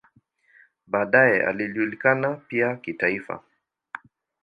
Baadaye alijulikana pia kitaifa.